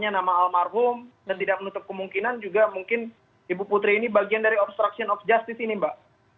nama almarhum dan tidak menutup kemungkinan juga mungkin ibu putri ini bagian dari obstruction of justice ini mbak